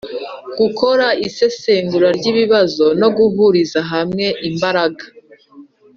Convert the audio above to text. gukora isesengura ry'ibibazo no guhuriza hamwe imbaraga